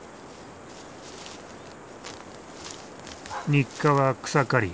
日課は草刈り。